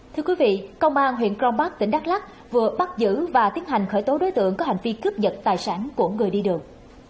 thưa quý vị công an huyện crombark tỉnh đắk lắc vừa bắt giữ và tiến hành khởi tố đối tượng có hành vi cướp giật tài sản của người đi đường